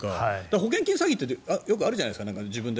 保険金詐欺ってよくあるじゃないですか。